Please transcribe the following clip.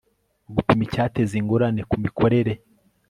gupima icyateza ingorane ku mikorere